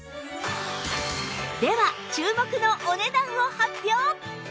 では注目のお値段を発表！